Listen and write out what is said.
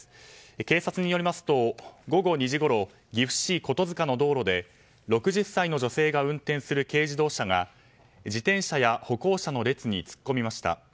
警察によりますと、午後２時ごろ岐阜市琴塚の道路で６０歳の女性が運転する軽自動車が自転車や歩行者の列に突っ込みました。